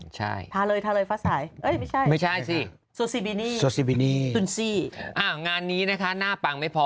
ใช่ทาเลยทาเลยฟ้าใสเอ้ยไม่ใช่ไม่ใช่สิโซซีบินี่โซซีบินี่ตุนซีอ่างานนี้นะคะหน้าปังไม่พอ